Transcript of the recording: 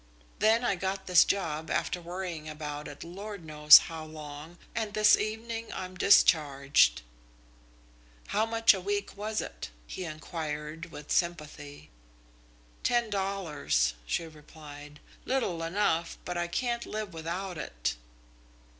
Then I got this job after worrying about it Lord knows how long, and this evening I'm discharged." "How much a week was it?" he enquired, with sympathy. "Ten dollars," she replied. "Little enough, but I can't live without it."